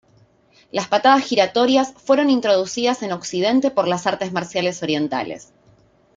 Las patadas giratorias fueron introducidas en Occidente por las artes marciales orientales.